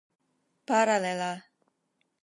paralela